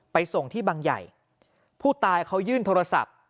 ส่งที่บังใหญ่ผู้ตายเขายื่นโทรศัพท์